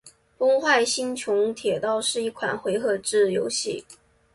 《崩坏：星穹铁道》是一款回合制游戏。